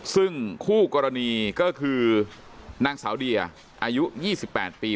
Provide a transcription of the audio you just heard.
ซึ่งคู่กรณีก็คือนางสาวเดียอายุ๒๘ปี